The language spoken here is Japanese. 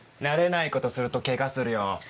慣れないことするとケガするよ。